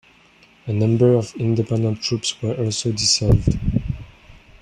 A number of independent troops were also dissolved.